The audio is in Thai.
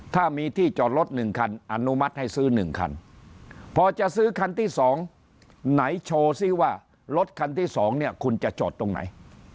ถ้ามีที่จอดรถ๑คันอนุมัติให้ซื้อ๑คันพอจะซื้อคันที่๒ไหนโชว์ซิว่ารถคันที่๒เนี่ยคุณจะจอดตรงไหน